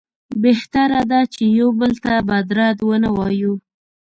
بهتره ده چې یو بل ته بد رد ونه وایو.